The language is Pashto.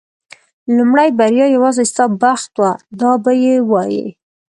لومړۍ بریا یوازې ستا بخت و دا به یې وایي.